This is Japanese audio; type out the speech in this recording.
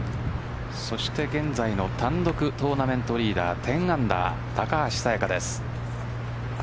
そして現在の単独トーナメントリーダー１０アンダー高橋彩華です。